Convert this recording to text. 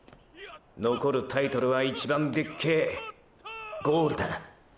残るタイトルは一番でっけぇゴールだ。